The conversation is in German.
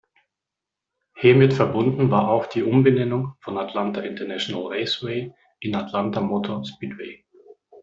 Hiermit verbunden war auch die Umbenennung von Atlanta International Raceway in Atlanta Motor Speedway.